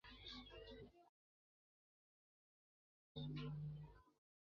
次年受聘于德国蔡司公司为光学设计师。